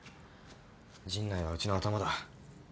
陣内はうちのアタマだ。